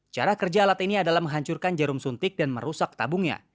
cara kerja alat ini adalah menghancurkan jarum suntik dan merusak tabungnya